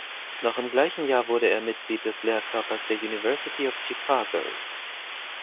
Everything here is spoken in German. Noch im gleichen Jahr wurde er Mitglied des Lehrkörpers der University of Chicago.